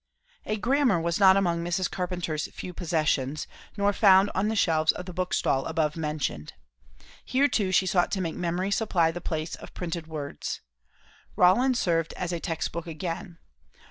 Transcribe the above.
A grammar was not among Mrs. Carpenter's few possessions, nor found on the shelves of the book stall above mentioned. Here too she sought to make memory supply the place of printed words. Rollin served as a text book again.